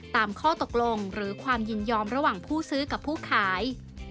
ตามข้อตกลงหรือความยินยอมระหว่างผู้ซื้อกับผู้ขาย